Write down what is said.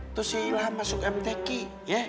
itu si ilham masuk mtk ya